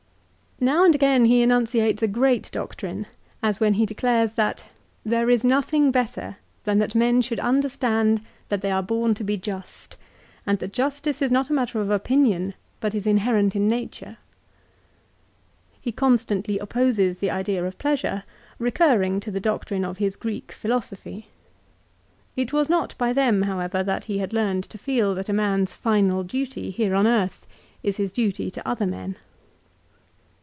1 Now and again he enunciates a great doctrine, as when he declares that " there is nothing better than that men should understand that they are born to be just, and that justice is not a matter of opinion, but is inherent in nature." 2 He constantly opposes the idea of pleasure, recurring to the doctrine of his Greek philosophy. It was not by them, however, that he had learned to feel that a man's final duty here on earth is his duty to other men.